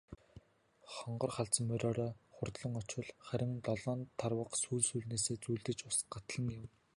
Хонгор халзан мориороо хурдлан очвол харин долоон тарвага сүүл сүүлнээсээ зүүлдэж ус гатлан явна.